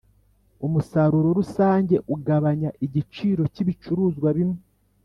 umusaruro rusange ugabanya igiciro cyibicuruzwa bimwe.